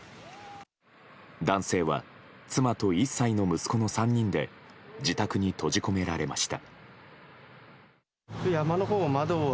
男性は、妻と１歳の息子の３人で自宅に閉じ込められました。